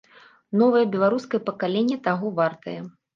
Новае беларускае пакаленне таго вартае.